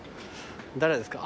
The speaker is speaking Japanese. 誰ですか？